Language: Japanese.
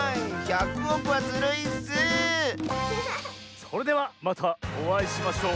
それではまたおあいしましょう！